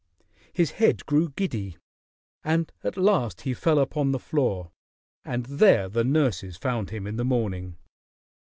His head grew giddy, and at last he fell upon the floor, and there the nurses found him in the morning.